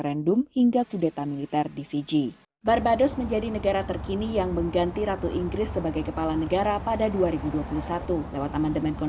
sebuah simbol masa imperius yang terbaik yang diberikan